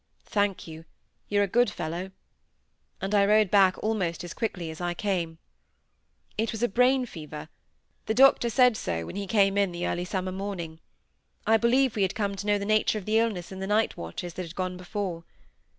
"Thank you, you're a good fellow!" and I rode back almost as quickly as I came. It was a brain fever. The doctor said so, when he came in the early summer morning. I believe we had come to know the nature of the illness in the night watches that had gone before.